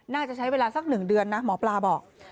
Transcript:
น่าจะใช้เวลาสัก๑เดือนนะหมอปลาบอก